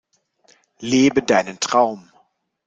Lebe deinen Traum!